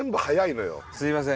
すいません